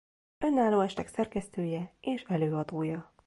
Önálló estek szerkesztője és előadója.